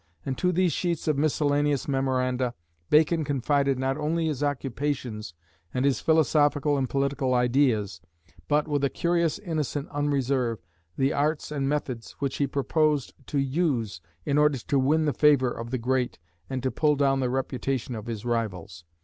And to these sheets of miscellaneous memoranda Bacon confided not only his occupations and his philosophical and political ideas, but, with a curious innocent unreserve, the arts and methods which he proposed to use in order to win the favour of the great and to pull down the reputation of his rivals.